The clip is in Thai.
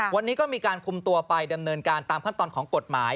วันนี้ก็มีการคุมตัวไปดำเนินการตามขั้นตอนของกฎหมาย